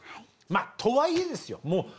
まあとはいえですよ